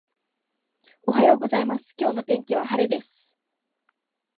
おはようございます、今日の天気は晴れです。